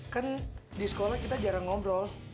kan di sekolah kita jarang ngobrol